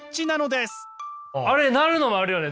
あれ鳴るのもあるよね。